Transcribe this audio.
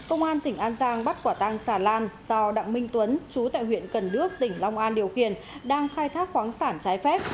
an giang bắt quả tăng sàn lan do đặng minh tuấn chú tại huyện cần đước tỉnh long an điều kiện đang khai thác khoáng sản trái phép